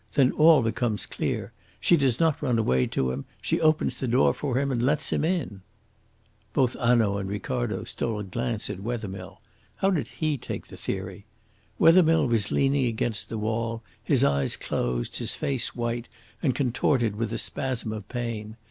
Then all becomes clear. She does not run away to him; she opens the door for him and lets him in." Both Hanaud and Ricardo stole a glance at Wethermill. How did he take the theory? Wethermill was leaning against the wall, his eyes closed, his face white and contorted with a spasm of pain.